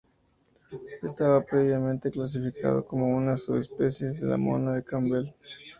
Estaba previamente clasificado como una subespecies de la mona de Campbell.